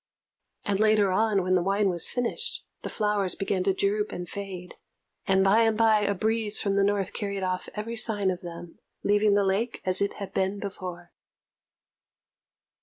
And later on, when the wine was finished, the flowers began to droop and fade; and by and by a breeze from the north carried off every sign of them, leaving the lake as it had been before.